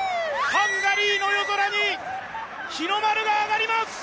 ハンガリーの夜空に日の丸が上がります！